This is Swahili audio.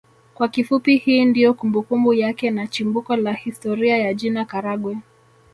Kwa kifupi hii ndio kumbukumbu yake na chimbuko la historia ya jina Karagwe